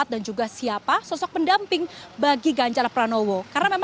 dan juga siapa sosok pendamping bagi ganjara pranowo